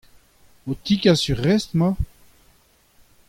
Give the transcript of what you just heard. O tegas ur restr emañ ?